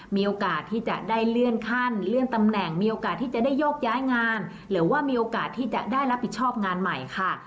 มีโอกาสที่จะได้เลื่อนขั้นเลื่อนตำแหน่งมีโอกาสที่จะได้โยกย้ายงานหรือว่ามีโอกาสที่จะได้รับผิดชอบงานใหม่ค่ะ